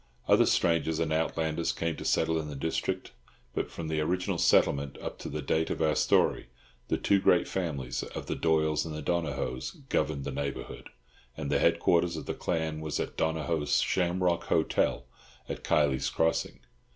Other strangers and outlanders came to settle in the district, but from the original settlement up to the date of our story the two great families of the Doyles and the Donohoes governed the neighbourhood, and the headquarters of the clans was at Donohoe's "Shamrock Hotel," at Kiley's Crossing.